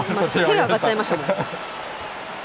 手あがっちゃいましたもん。